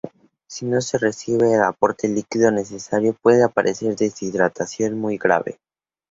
Si no se recibe el aporte líquido necesario puede aparecer deshidratación muy grave.